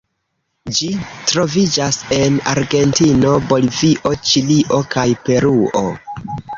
Ĝi troviĝas en Argentino, Bolivio, Ĉilio, kaj Peruo.